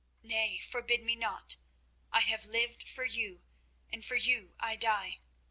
Nay, forbid me not. I have lived for you, and for you I die.